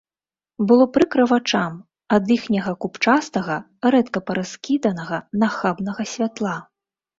Было прыкра вачам ад іхняга купчастага, рэдка параскіданага, нахабнага святла.